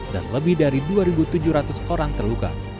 dan lebih dari dua tujuh ratus orang terluka